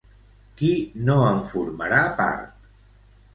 Qui no en formarà part?